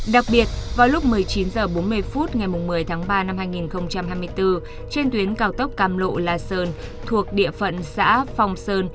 đặc biệt vào lúc một mươi chín h bốn mươi phút ngày một mươi tháng ba năm hai nghìn hai mươi bốn trên tuyến cao tốc cam lộ la sơn thuộc địa phận xã phong sơn